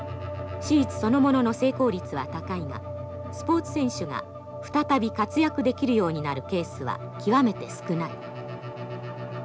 手術そのものの成功率は高いがスポーツ選手が再び活躍できるようになるケースは極めて少ない。